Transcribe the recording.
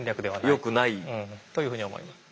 よくない。というふうに思います。